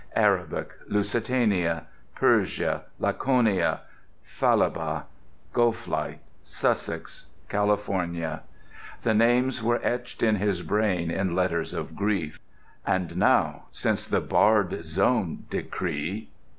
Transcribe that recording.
Arabic, Lusitania, Persia, Laconia, Falaba, Gulflight, Sussex, California—the names were etched in his brain in letters of grief. And now, since the "barred zone" decree